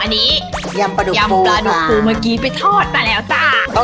อันนี้ยำปลาดูสปูค่ะเมื่อกี้ไปทอดไปแล้วก่อน